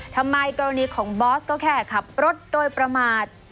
ทำไมกรณีของบอสก็แค่ขับรถโดยประมาท